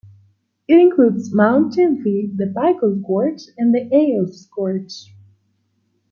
It includes Mount Tymfi, the Vikos Gorge and the Aoos Gorge.